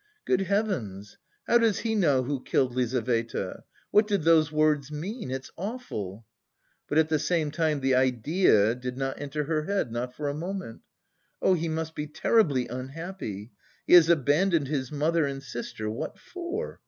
"Good heavens, how does he know who killed Lizaveta? What did those words mean? It's awful!" But at the same time the idea did not enter her head, not for a moment! "Oh, he must be terribly unhappy!... He has abandoned his mother and sister.... What for?